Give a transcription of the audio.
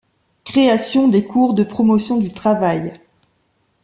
Création des Cours de Promotion du Travail.